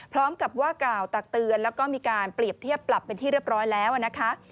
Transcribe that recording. พร้อมกับว่ากล่าวตักเตือนแล้วก็มีการเปรียบเทียบปรับเป็นที่เรียบร้อยแล้วนะคะ